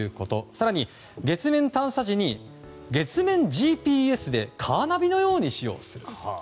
更に月面探査時に月面ＧＰＳでカーナビのように使用する。